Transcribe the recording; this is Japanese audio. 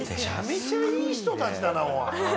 めちゃめちゃいい人たちだな。